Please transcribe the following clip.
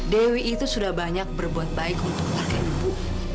dewi itu sudah banyak berbuat baik untuk kakek ibu